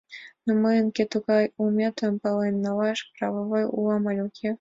Ну мыйын кӧ тугай улметшым пален налаш правам уло але уке?